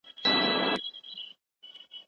کله چې پانګوال ډاډه وي پیسې لګوي.